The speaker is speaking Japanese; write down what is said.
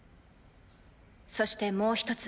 そしてもう１つ。